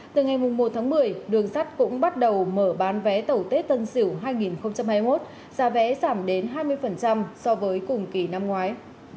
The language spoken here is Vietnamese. từ ngày một tháng một mươi đường sắt cũng bắt đầu mở bán vé tàu tết tân sỉu hai nghìn hai mươi một giá vé giảm đến hai mươi so với cùng kỳ năm ngoái